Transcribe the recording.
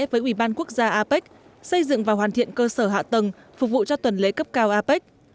với ủy ban quốc gia apec xây dựng và hoàn thiện cơ sở hạ tầng phục vụ cho tuần lễ cấp cao apec